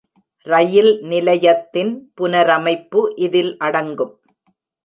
ரயில் நிலையத்தின் புனரமைப்பு இதில் அடங்கும்.